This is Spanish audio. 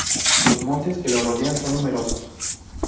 Los montes que lo rodean son numerosos.